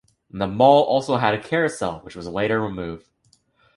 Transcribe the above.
The mall also had a carousel, which was later removed.